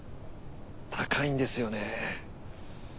高いんですよね。